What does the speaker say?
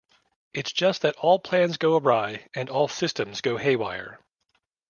It’s just that all plans go awry and all systems go haywire.